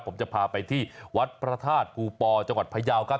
ผมจะพาไปที่วัดพระธาตุภูปอจังหวัดพยาวครับ